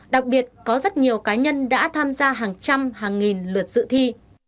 đặc biệt có rất nhiều cá nhân đã tham gia hàng trăm hàng nghìn lượt dự thi